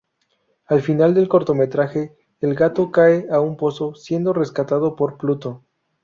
Al final del cortometraje el gato cae a un pozo, siendo rescatado por Pluto.